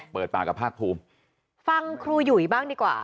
เปิดปากกับภาคภูมิฟังครูหยุยบ้างดีกว่า